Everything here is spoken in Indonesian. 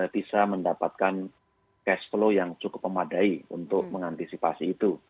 bisa mendapatkan cash flow yang cukup memadai untuk mengantisipasi itu